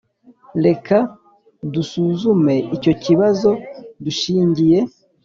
Reka dusuzume icyo kibazo dushingiye